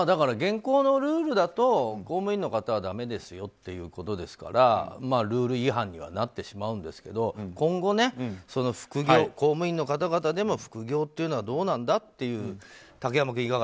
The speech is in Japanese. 現行のルールだと公務員の方はだめですよということですからルール違反にはなってしまうんですが今後、公務員の方々でも副業はどうなんだっていう。